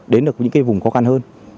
đến được những cái vùng khó khăn hơn